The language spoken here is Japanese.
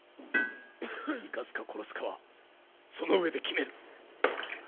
生かすか殺すかはその上で決める。